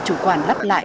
chủ quản lắp lại